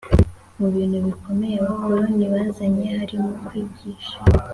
Mu bintu bikomeye abakoloni bazanye harimo kwigisha